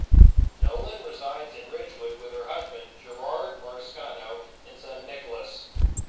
Nolan resides in Ridgewood with her husband, Gerard Marsicano, and son Nicholas.